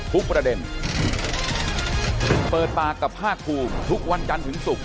ประเด็นเปิดปากกับภาคภูมิทุกวันจันทร์ถึงศุกร์